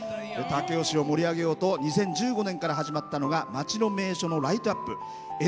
町おこしをしようと２０１４年から始まったのが町の名所のライトアップ。